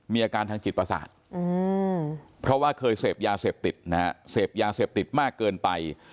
มีอาการทางจิตประสาทเพราะว่าเคยเสพยาเสพติดนะฮะเสพยาเสพติดมากเกินไป